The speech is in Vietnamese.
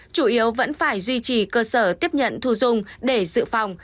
chủ yếu vẫn phải duy trì cơ sở tiếp nhận thu dung để dự phòng